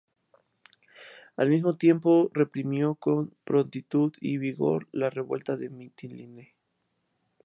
Al mismo tiempo, reprimió con prontitud y vigor la revuelta de Mitilene.